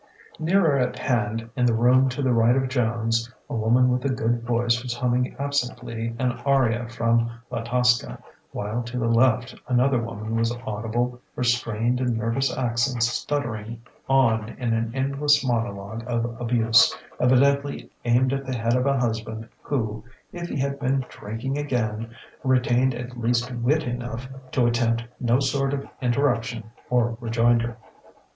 Nearer at hand, in the room to the right of Joan's, a woman with a good voice was humming absently an aria from "La Tosca," while to the left another woman was audible, her strained and nervous accents stuttering on in an endless monologue of abuse, evidently aimed at the head of a husband who, if he had been "drinking again," retained at least wit enough to attempt no sort of interruption or rejoinder.